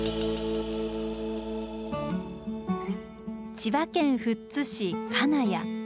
千葉県富津市金谷。